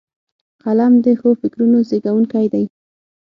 قلم د ښو فکرونو زیږوونکی دی